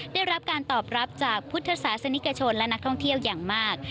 ได้รับการตอบรับจากพุทธศาสนิกชนและนักท่องเที่ยวอย่างมาก